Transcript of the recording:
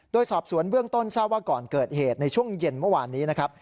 โดยสอบสวนเบื้องต้นทราบว่าก่อนเกิดเหตุในช่วงเย็นเมื่อวานนี้นะครับ